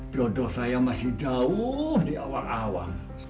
dodo saya masih jauh di awal awal